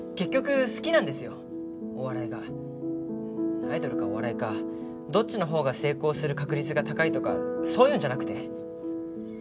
アイドルかお笑いかどっちのほうが成功する確率が高いとかそういうのじゃなくて。